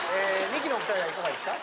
ミキのお２人はいかがでした？